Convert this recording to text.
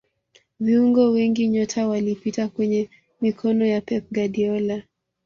viungo wengi nyota walipita kwenye mikono ya pep guardiola